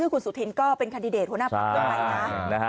คุณสุธินก็เป็นคันดิเดตหัวหน้าบันตร์โดยไใหม่นะ